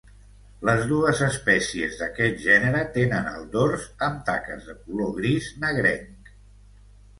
Les dues espècies d'aquest gènere tenen el dors amb taques de color gris negrenc.